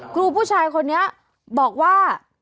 ครูผู้ชายคนนี้บอกว่า